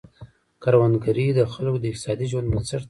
کروندګري د خلکو د اقتصادي ژوند بنسټ دی.